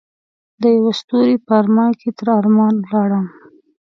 دیوه ستوری په ارمان کې تر ارمان ولاړمه